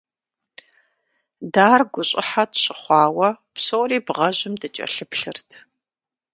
Дэ ар гущӀыхьэ тщыхъуауэ, псори бгъэжьым дыкӀэлъыплъырт.